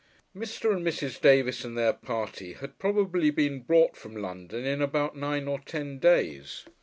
Mr. and Mrs. Davis, and their party, had, probably, been brought from London in about nine or ten days.